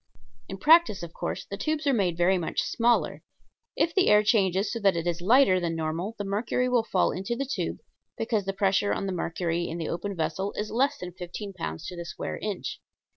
In practice, of course, the tubes are made very much smaller. If the air changes so that it is lighter than normal the mercury will fall in the tube, because the pressure on the mercury in the open vessel is less than fifteen pounds to the square inch.